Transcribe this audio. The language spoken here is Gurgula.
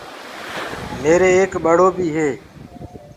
ميري ايڪ ٻڙو بيٚ هي۔